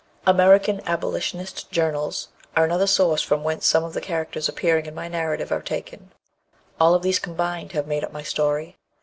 American Abolitionist journals are another source from whence some of the characters appearing in my narrative are taken. All these combined have made up my story.